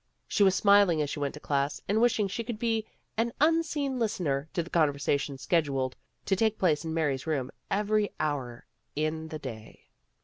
She was smiling as she went to class, and wishing she could be an unseen listener to the conversa tions scheduled to take place in Mary's room every hour in the day.